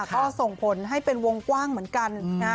ก็ส่งผลให้เป็นวงกว้างเหมือนกันนะ